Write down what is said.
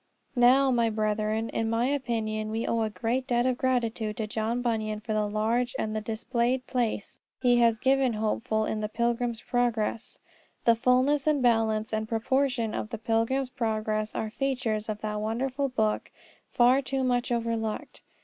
Now, my brethren, in my opinion we owe a great debt of gratitude to John Bunyan for the large and the displayed place he has given to Hopeful in the Pilgrim's Progress. The fulness and balance and proportion of the Pilgrim's Progress are features of that wonderful book far too much overlooked.